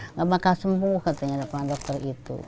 nggak bakal sembuh katanya dokter itu